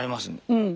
うん。